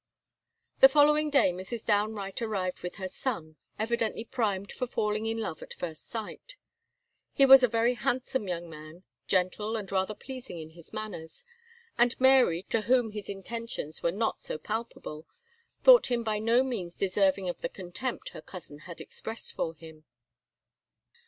The following day Mrs. Downe Wright arrived with her son, evidently primed for falling in love at first sight. He was a very handsome young man, gentle, and rather pleasing in his manners; and Mary, to whom his intentions were not so palpable, thought him by no means deserving of the contempt her cousin had expressed for him.